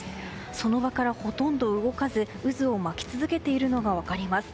その場からほとんど動かず渦を巻き続けているのが分かります。